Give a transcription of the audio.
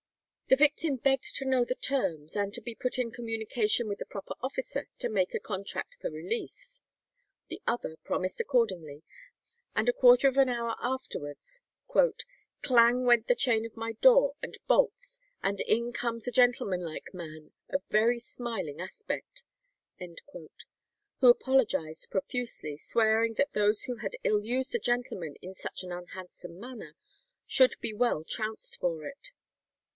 The victim begged to know the terms, and to be put in communication with the proper officer to make a contract for release. The other promised accordingly, and a quarter of an hour afterwards "clang went the chain of my door and bolts, and in comes a gentleman like man of very smiling aspect," who apologized profusely, swearing that those who had ill used a gentleman in such an unhandsome manner should be well trounced for it.